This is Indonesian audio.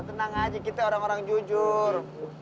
tenang aja kita orang orang jujur